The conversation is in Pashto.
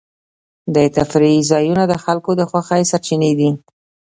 د تفریح ځایونه د خلکو د خوښۍ سرچینې دي.